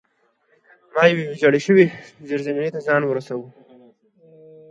ما یوې ویجاړې شوې زیرزمینۍ ته ځان ورساوه